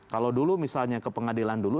kalau dulu misalnya ke pengadilan dulu